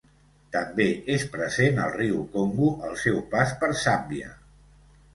També és present al riu Congo al seu pas per Zàmbia.